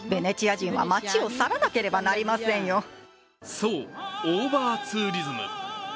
そう、オーバーツーリズム。